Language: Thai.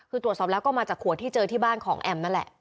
คือตรวจสอบแล้วก็มาจากขวดที่เจอที่บ้านของแอมนั่นแหละ